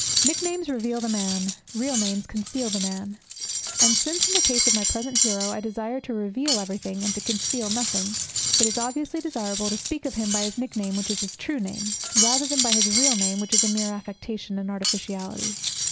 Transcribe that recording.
Nicknames reveal the man; real names conceal the man. And since, in the case of my present hero, I desire to reveal everything and to conceal nothing, it is obviously desirable to speak of him by his nickname, which is his true name, rather than by his real name, which is a mere affectation and artificiality.